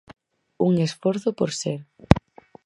Un esforzo por ser.